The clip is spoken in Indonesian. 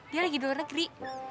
dia lagi di luar negeri